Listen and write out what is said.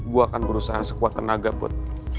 gue akan berusaha sekuat tenaga buat